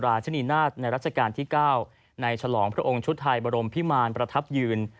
ลักษณะที่ที่ทรงพระสถิติชมที่ทรงพระสถิติชม